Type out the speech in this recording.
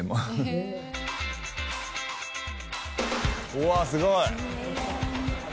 うわすごい！